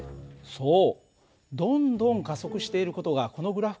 そう。